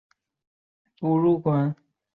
婆姨是晋语地区对已婚女人的称谓。